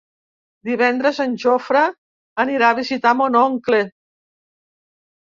Divendres en Jofre anirà a visitar mon oncle.